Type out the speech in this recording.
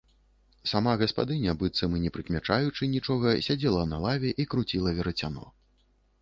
Сама гаспадыня, быццам і не прыкмячаючы нічога, сядзела на лаве і круціла верацяно.